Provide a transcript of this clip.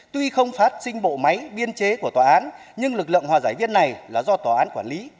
tuy không phát sinh bộ máy biên chế của tòa án nhưng lực lượng hòa giải viên này là do tòa án quản lý